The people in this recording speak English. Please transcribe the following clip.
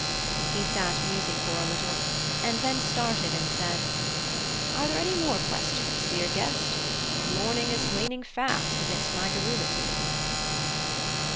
He sat musing for a little, and then started and said: "Are there any more questions, dear guest? The morning is waning fast amidst my garrulity?"